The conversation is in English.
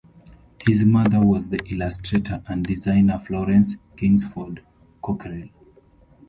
His mother was the illustrator and designer Florence Kingsford Cockerell.